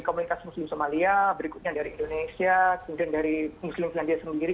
komunitas muslim somalia berikutnya dari indonesia kemudian dari muslim selandia sendiri